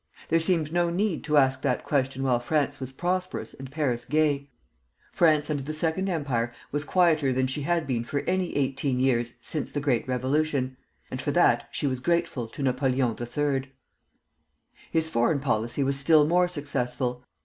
There seemed no need to ask that question while France was prosperous and Paris gay. France under the Second Empire was quieter than she had been for any eighteen years since the Great Revolution; and for that she was grateful to Napoleon III. His foreign policy was still more successful.